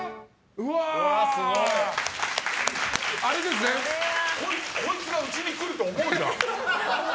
すごい。こいつがうちに来ると思うじゃん。